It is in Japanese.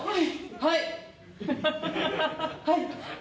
はい。